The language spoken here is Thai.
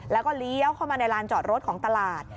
แล้วก็เลี้ยวเข้ามาในลานจอดรถของตลาด